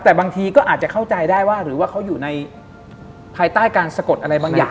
แต่บางทีก็อาจจะเข้าใจได้ว่าหรือว่าเขาอยู่ในภายใต้การสะกดอะไรบางอย่าง